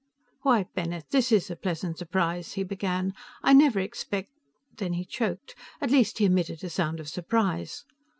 "Why, Bennett, this is a pleasant surprise," he began. "I never expec " Then he choked; at least, he emitted a sound of surprise.